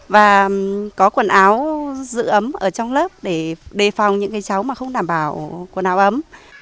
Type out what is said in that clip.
và có quần áo giữ ấm ở trong lớp để đề phòng những cái cháu mà không đảm bảo quần áo ấm